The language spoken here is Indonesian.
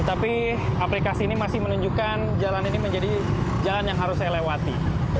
tapi aplikasi ini masih menunjukkan jalan ini menjadi jalan yang harus saya lewati